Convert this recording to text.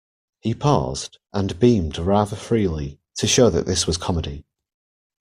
He paused, and beamed rather freely, to show that this was comedy.